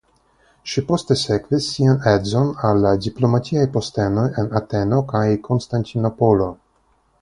Ŝi poste sekvis sian edzon al la diplomatiaj postenoj en Ateno kaj Konstantinopolo.